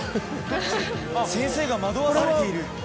先生が惑わされている。